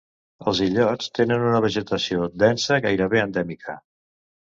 Els illots tenen una vegetació densa gairebé endèmica.